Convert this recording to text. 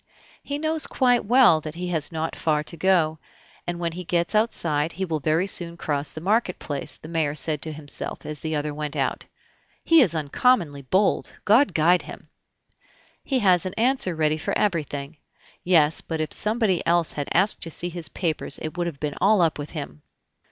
"He knows quite well that he has not far to go, and when he gets outside he will very soon cross the marketplace," said the mayor to himself, as the other went out. "He is uncommonly bold! God guide him!... He has an answer ready for everything. Yes, but if somebody else had asked to see his papers it would have been all up with him!"